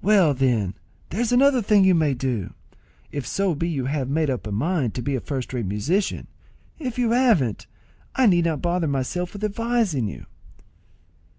"Well, then, there's another thing you may do, if so be you have made up a mind to be a first rate musician; if you haven't, I need not bother myself with advising you."